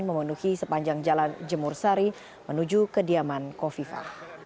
memenuhi sepanjang jalan jemur sari menuju kediaman kofifa